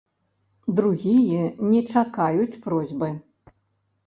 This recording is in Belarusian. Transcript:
Другія не чакаюць просьбы.